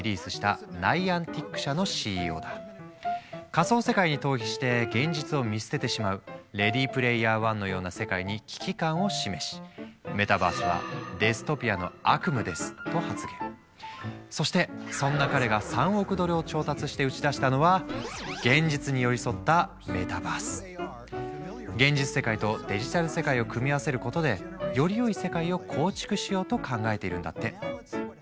仮想世界に逃避して現実を見捨ててしまう「レディ・プレイヤー１」のような世界に危機感を示しそしてそんな彼が３億ドルを調達して打ち出したのは現実世界とデジタル世界を組み合わせることでよりよい世界を構築しようと考えているんだって。